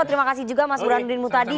terima kasih juga mas burhanuddin mutadi